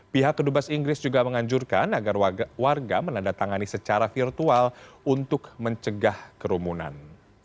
pihak kedubas inggris juga menganjurkan agar warga menandatangani secara virtual untuk mencegah kerumunan